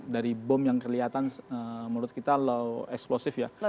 dari bom yang kelihatan menurut kita low explosive ya